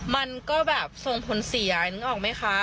มันก็แบบส่งผลเสียนึกออกไหมคะ